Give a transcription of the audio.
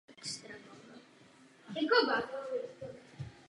Tato událost je považována za klíčový okamžik zániku republiky.